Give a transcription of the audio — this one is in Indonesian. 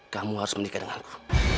kamu harus menikah denganku